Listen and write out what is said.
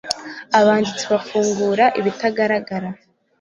abanditsi bafungura ibitagaragara